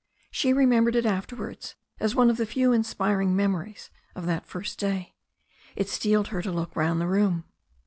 She remembered it afterwards as one of the few inspiring memories of that first day. It steeled her to look round the room.